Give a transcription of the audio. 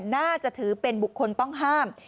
น่าจะถือเป็นบุคคลต้องห้าม